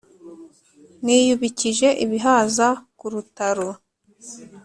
niyubikije ibihaza ku rutaro!